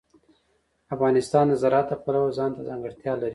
افغانستان د زراعت د پلوه ځانته ځانګړتیا لري.